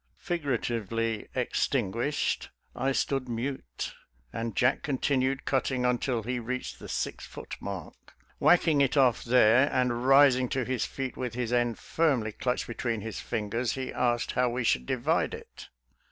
" Figuratively extin guished, I stood mute, and Jack continued cut ting until he reached the six foot mark. Whack ing it off there and rising to his feet with his end firmly clutched between his fingers, he asked how we should divide it.